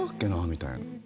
みたいな。